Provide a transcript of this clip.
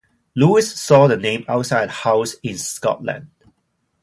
Lewis saw the name outside a house in Scotland.